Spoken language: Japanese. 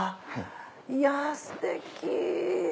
いやすてき！